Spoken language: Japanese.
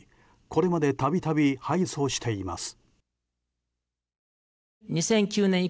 これまで度々、敗訴しています。